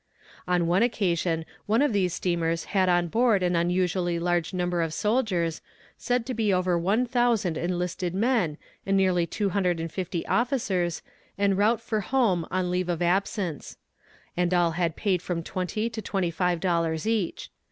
On one occasion one of those steamers had on board an unusually large number of soldiers, said to be over one thousand enlisted men and nearly two hundred and fifty officers, en route for home on leave of absence; and all had paid from twenty to twenty five dollars each.